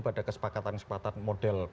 pada kesepakatan kesepakatan model